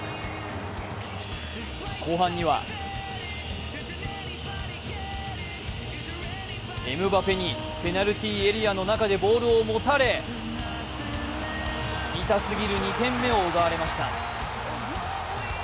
後半にはエムバペにペナルティーエリアの中でボールを持たれ痛すぎる２点目を奪われました。